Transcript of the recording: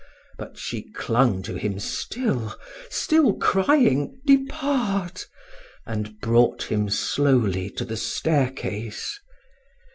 But she clung to him still, still crying "Depart!" and brought him slowly to the staircase.